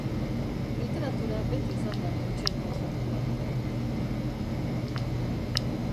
Literatura beti izan da gutxiengoen kontua!.